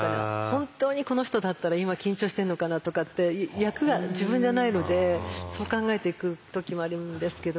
本当にこの人だったら今緊張してんのかなとかって役が自分じゃないのでそう考えていく時もあるんですけど。